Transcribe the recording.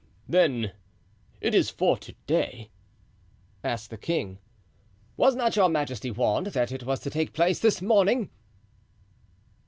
"Then it is for to day?" asked the king. "Was not your majesty warned that it was to take place this morning?"